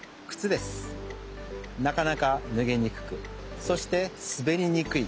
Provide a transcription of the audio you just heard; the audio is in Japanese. なかなかぬげにくくそしてすべりにくい。